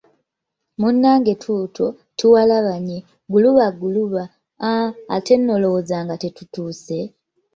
Munnange tuutwo, tuwalabanye, gguluba gguluba, aaa ate nno olowooza nga tetutuuse?